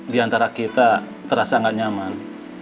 di antara kita terasa gak nyaman